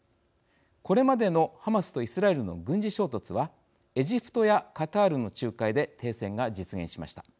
これまでのハマスとイスラエルの軍事衝突はエジプトやカタールの仲介で停戦が実現しました。